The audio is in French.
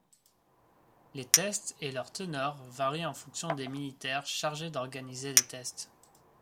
Les tests et leur teneur varient en fonction des militaires chargés d'organiser les tests.